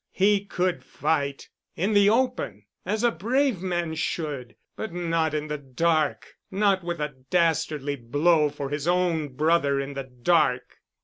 He could fight, in the open, as a brave man should, but not in the dark, not with a dastardly blow for his own brother in the dark.